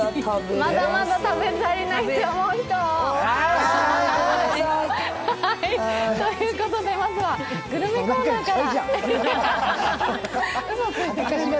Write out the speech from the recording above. まだまだ食べ足りないと思う人！ということで、まずはグルメコーナーから。